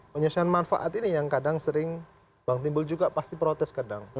penyesuaian manfaat ini yang kadang sering bang timbul juga pasti protes kadang